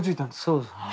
そうです。